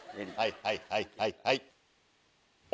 はいはいはいはい。